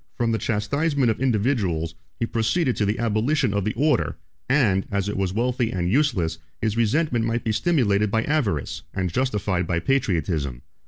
2312 From the chastisement of individuals, he proceeded to the abolition of the order; and, as it was wealthy and useless, his resentment might be stimulated by avarice, and justified by patriotism.